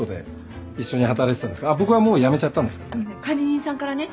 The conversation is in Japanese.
管理人さんからね